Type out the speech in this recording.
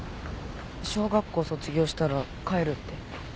小学校卒業したら帰るって。